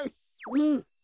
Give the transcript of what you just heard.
うん！